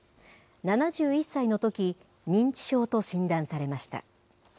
７１歳のとき、認知症と診断されました。